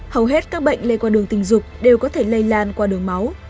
hầu hết các bệnh lây qua đường tình dục đều có thể lây lan qua đường máu